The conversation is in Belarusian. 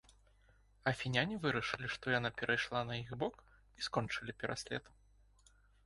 Афіняне вырашылі, што яна перайшла на іх бок, і скончылі пераслед.